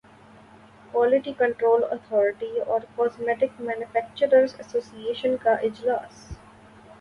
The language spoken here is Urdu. کوالٹی کنٹرول اتھارٹی اور cosmetics manufacturers association کا اجلاس